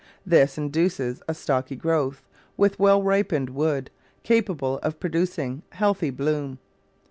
This in duces a stocky growth, with well ripened wood, capable of producing healthy bloom.